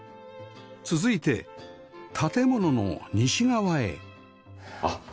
続いて建物の西側へ